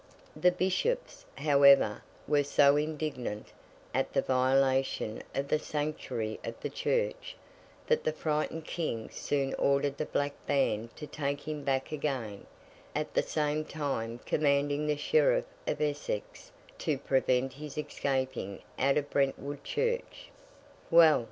The Bishops, however, were so indignant at the violation of the Sanctuary of the Church, that the frightened King soon ordered the Black Band to take him back again; at the same time commanding the Sheriff of Essex to prevent his escaping out of Brentwood Church. Well!